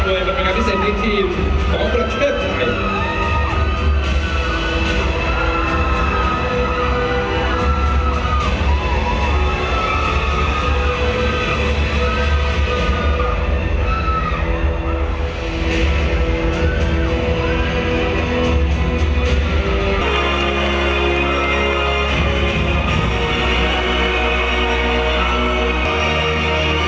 เมื่อเวลาอันดับสุดท้ายมันกลายเป้าหมายเป้าหมาย